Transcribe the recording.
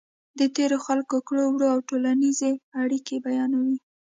د تېرو خلکو کړو وړه او ټولنیزې اړیکې بیانوي.